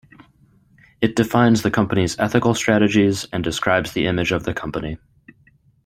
It defines the company's ethical strategies and describes the image of the company.